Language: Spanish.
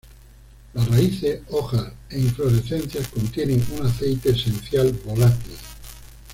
Las raíces, hojas e inflorescencias contienen un aceite esencial volátil.